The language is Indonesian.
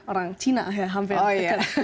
orang cina ya hampir